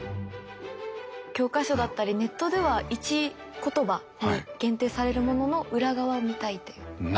教科書だったりネットでは１言葉に限定されるものの裏側を見たいということです。